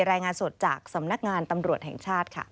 รายงานสดจากสำนักงานตำรวจแห่งชาติค่ะ